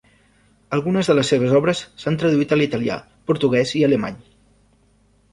Algunes de les seves obres s'han traduït a l'italià, portuguès i alemany.